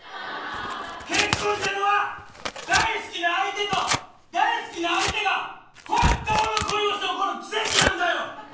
結婚っていうのは大好きな相手と大好きな相手が本当の恋をして起こる奇跡なんだよ。